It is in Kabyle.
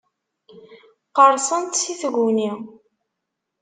Qqerṣent si tguni.